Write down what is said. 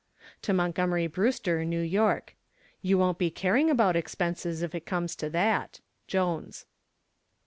To MONTGOMERY BREWSTER, New York. You won't be caring about expenses if it comes to that. JONES.